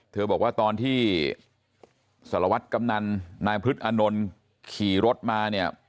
เธอบอกว่าตอนที่สรวจกำนันนายพฤทธิ์อนนท์ขี่รถมาเนี่ย